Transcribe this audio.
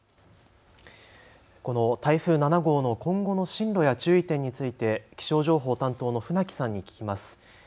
この台風７号の今後の進路や注意点について気象情報担当の船木さんに聞きます。